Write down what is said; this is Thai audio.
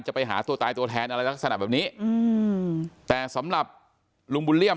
ไปหาตัวตายตัวแทนอะไรลักษณะแบบนี้อืมแต่สำหรับลุงบุญเลี่ยม